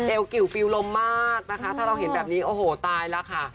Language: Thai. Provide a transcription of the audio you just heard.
กิวฟิวลมมากนะคะถ้าเราเห็นแบบนี้โอ้โหตายแล้วค่ะ